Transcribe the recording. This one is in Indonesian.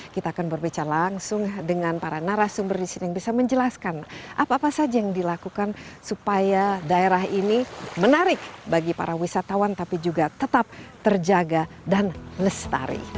kita akan berbicara langsung dengan para narasumber di sini yang bisa menjelaskan apa apa saja yang dilakukan supaya daerah ini menarik bagi para wisatawan tapi juga tetap terjaga dan lestari